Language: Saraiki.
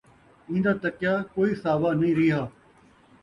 ایندا تکیا کئی ساوا نئیں ریہا